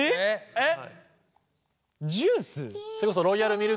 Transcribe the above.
えっ。